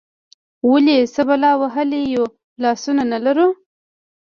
ولې، څه بلا وهلي یو، لاسونه نه لرو؟